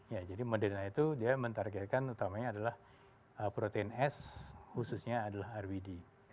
ya jadi moderna itu dia mentargetkan utamanya adalah protein s khususnya adalah rwd